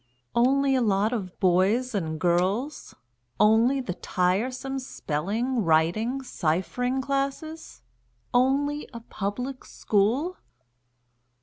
Only a lot of boys and girls? Only the tiresome spelling, writing, ciphering classes? Only a Public School?